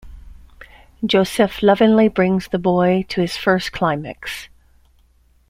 Josif lovingly brings the boy to his first climax.